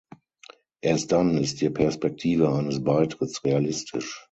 Erst dann ist die Perspektive eines Beitritts realistisch.